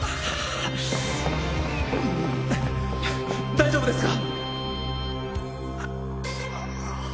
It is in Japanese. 大丈夫ですか！